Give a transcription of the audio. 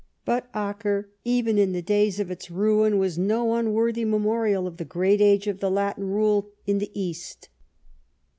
But Acre even in the days of its ruin was no unworthy memorial of the great age of the Latin rule in the East.